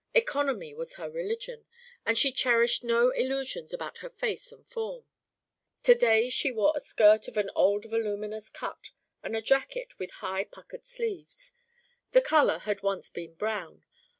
Economy was her religion, and she cherished no illusions about her face and form. To day she wore a skirt of an old voluminous cut and a jacket with high puckered sleeves. The colour had once been brown.